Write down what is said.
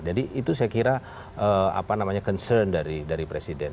jadi itu saya kira concern dari presiden